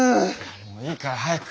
もういいから早く。